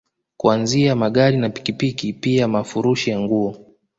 Kuanzia Magari na pikipiki pia mafurushi ya nguo